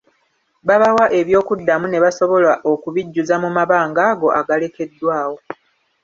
Babawa ebyokuddamu ne basobola okubijjuza mu mabanga ago agalekeddwawo.